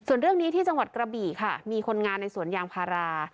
ส่วนเรื่องนี้ที่จังหวัดกระบี่ค่ะมีคนงานในสวนยางพารา